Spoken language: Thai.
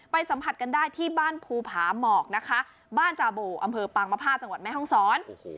สัมผัสกันได้ที่บ้านภูผาหมอกนะคะบ้านจาโบอำเภอปางมภาจังหวัดแม่ห้องศร